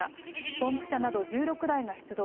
ポンプ車など１６台が出動。